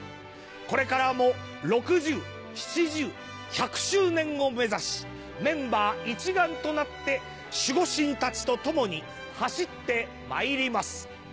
これからも６０７０１００周年を目指しメンバー一丸となって守護神たちと共に走ってまいります。